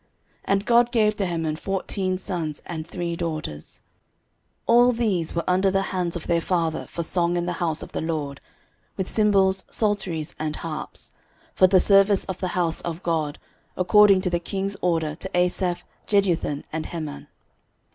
And God gave to Heman fourteen sons and three daughters. 13:025:006 All these were under the hands of their father for song in the house of the LORD, with cymbals, psalteries, and harps, for the service of the house of God, according to the king's order to Asaph, Jeduthun, and Heman.